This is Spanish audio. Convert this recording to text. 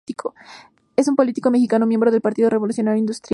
Es un político mexicano miembro del Partido Revolucionario Institucional.